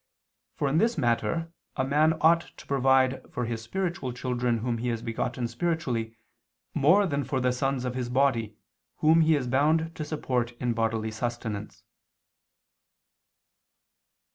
For in this matter, a man ought to provide for his spiritual children whom he has begotten spiritually, more than for the sons of his body, whom he is bound to support in bodily sustenance.